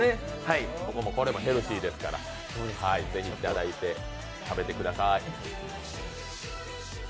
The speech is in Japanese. これもヘルシーですから、ぜひ食べてください。